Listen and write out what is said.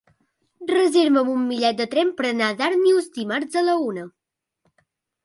Reserva'm un bitllet de tren per anar a Darnius dimarts a la una.